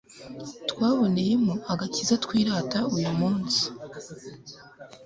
twaboneyemo agakiza twirata uyu munsi